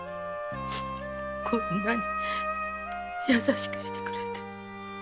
こんなに優しくしてくれて。